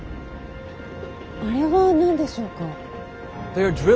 あれは何でしょうか？